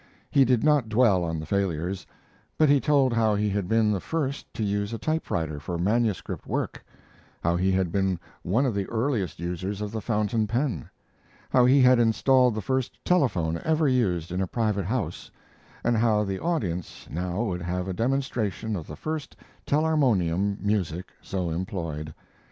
He did not dwell on the failures, but he told how he had been the first to use a typewriter for manuscript work; how he had been one of the earliest users of the fountain pen; how he had installed the first telephone ever used in a private house, and how the audience now would have a demonstration of the first telharmonium music so employed.